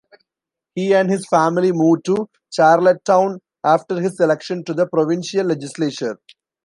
He and his family moved to Charlottetown after his election to the provincial legislature.